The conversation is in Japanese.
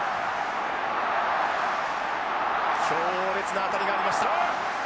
強烈な当たりがありました。